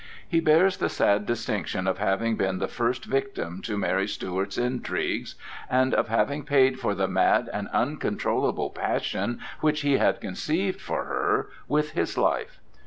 He bears the sad distinction of having been the first victim to Mary Stuart's intrigues, and of having paid for the mad and uncontrollable passion which he had conceived for her with his life.